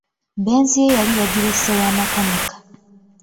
Benz ye yali yagirese wa makanika.